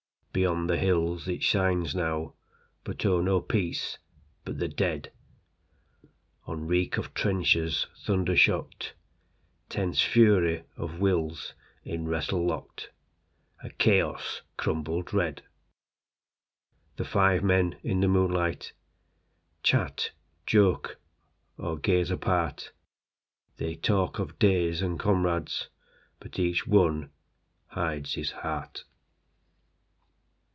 Beyond the hills it shines nowOn no peace but the dead, On reek of trenches thunder shocked, Tense fury of wills in wrestle locked,A chaos crumbled red! The five men in the moonlightChat, joke, or gaze apart. They talk of days and comrades, But each one hides his heart.